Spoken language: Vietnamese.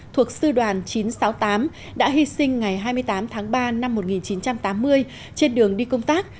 thuộc sư đoàn chín trăm sáu mươi tám đã hy sinh ngày hai mươi tám tháng ba năm một nghìn chín trăm tám mươi trên đường đi công tác